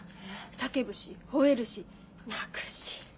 叫ぶしほえるし泣くし。